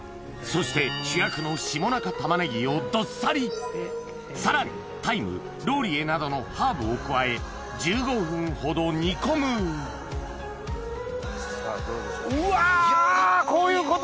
そして主役の下中たまねぎをどっさりさらにタイムローリエなどのハーブを加え１５分ほど煮込むさぁどうでしょううわ！